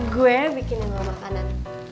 gue bikin yang mau makanan